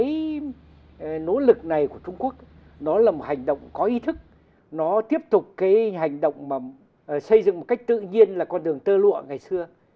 cái nỗ lực này của trung quốc nó là một hành động có ý thức nó tiếp tục cái hành động mà xây dựng một cách tự nhiên là con đường tơ lụa ngày xưa